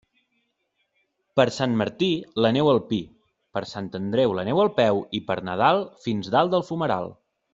Per Sant Martí, la neu al pi; per Sant Andreu, la neu al peu, i per Nadal, fins dalt del fumeral.